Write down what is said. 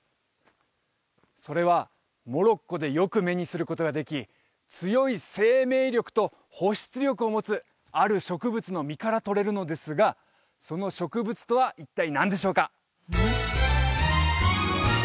それはモロッコでよく目にすることができ強い生命力と保湿力を持つある植物の実からとれるのですがその植物とは一体何でしょうか？